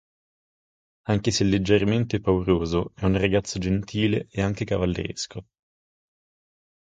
Anche se leggermente pauroso, è un ragazzo gentile e anche cavalleresco.